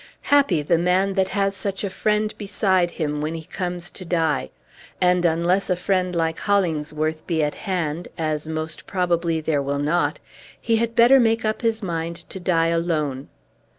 Happy the man that has such a friend beside him when he comes to die! and unless a friend like Hollingsworth be at hand, as most probably there will not, he had better make up his mind to die alone.